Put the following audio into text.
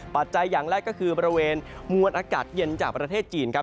อย่างแรกก็คือบริเวณมวลอากาศเย็นจากประเทศจีนครับ